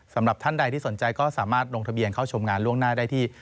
สำหรับท่านใดที่สนใจก็สามารถลงทะเบียนเข้าชมงานล่วงหน้าได้ที่